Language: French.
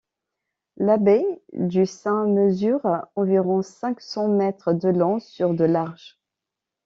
La baie du Saint mesure environ cinq cents mètres de long sur de large.